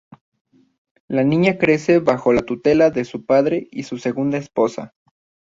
La niña crece bajo la tutela de su padre y su segunda esposa.